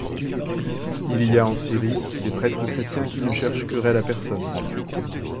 Il y a en Syrie, des prêtres chrétiens qui ne cherchent querelle à personne.